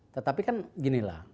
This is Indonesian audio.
tetapi kan ginilah